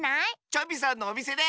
チョビさんのおみせで！